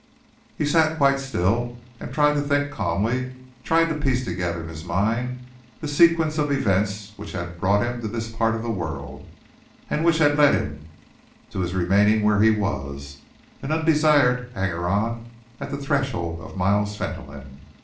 He sat quite still and tried to think calmly, tried to piece together in his mind the sequence of events which had brought him to this part of the world and which had led to his remaining where he was, an undesired hanger on at the threshold of Miles Fentolin.